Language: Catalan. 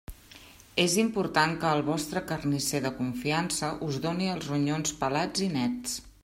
És important que el vostre carnisser de confiança us doni els ronyons pelats i nets.